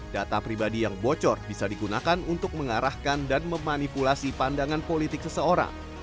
data pribadi yang bocor bisa digunakan untuk mengarahkan dan memanipulasi pandangan politik seseorang